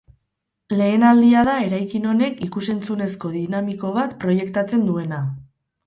Lehen aldia da eraikin honek ikus-entzunezko dinamiko bat proiektatzen duena.